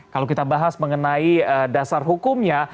kalau kita bahas mengenai dasar hukumnya